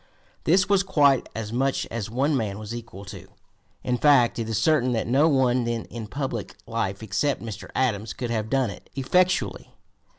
This was quite as much as one man was equal to; in fact, it is certain that no one then in public life except Mr. Adams could have done it effectually.